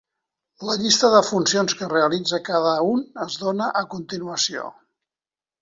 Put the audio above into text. La llista de funcions que realitza cada un es dóna a continuació.